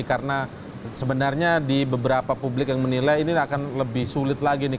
karena sebenarnya di beberapa publik yang menilai ini akan lebih sulit lagi nih